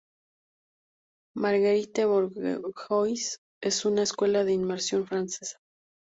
Marguerite-Bourgeois es una escuela de inmersión francesa.